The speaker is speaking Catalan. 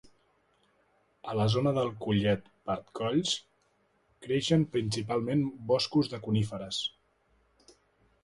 A la zona del Collet part Colls creixen principalment boscos de coníferes.